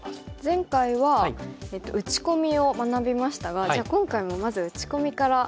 前回は打ち込みを学びましたがじゃあ今回もまず打ち込みから。